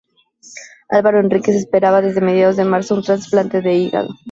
Álvaro Henríquez esperaba desde mediados de marzo un trasplante de hígado.